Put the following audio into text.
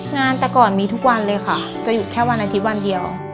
งานแต่ก่อนมีทุกวันเลยค่ะจะหยุดแค่วันอาทิตย์วันเดียว